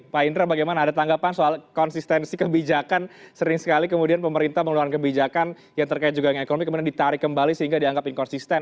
pak indra bagaimana ada tanggapan soal konsistensi kebijakan sering sekali kemudian pemerintah mengeluarkan kebijakan yang terkait juga dengan ekonomi kemudian ditarik kembali sehingga dianggap inkonsisten